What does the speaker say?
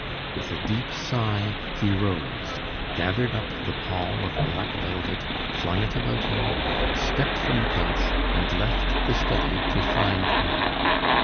With a deep sigh, he rose, gathered up the pall of black velvet, flung it around him, stepped from the couch, and left the study to find her.